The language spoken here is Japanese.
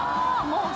もう。